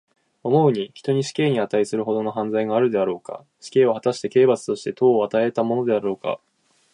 思うに、人に死刑にあたいするほどの犯罪があるであろうか。死刑は、はたして刑罰として当をえたものであろうか。